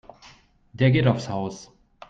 Der geht aufs Haus.